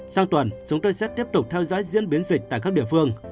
sau tuần chúng tôi sẽ tiếp tục theo dõi diễn biến dịch tại các địa phương